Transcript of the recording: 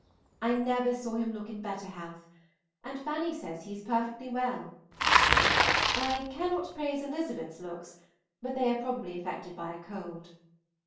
I never saw him look in better health, and Fanny says he is perfectly well. I cannot praise Elizabeth's looks, but they are probably affected by a cold.